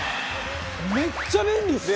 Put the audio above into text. めっちゃ便利っすね。